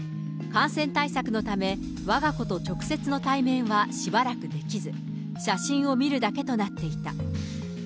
感染対策のため、わが子と直接の対面はしばらくできず、写真を見るだけとなっていた。